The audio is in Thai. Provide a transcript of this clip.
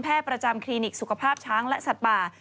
ประจำคลินิกสุขภาพช้างและสัตว์ป่า